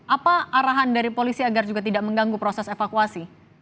apa arahan dari polisi agar juga tidak mengganggu proses evakuasi